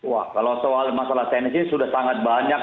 wah kalau soal masalah teknis ini sudah sangat banyak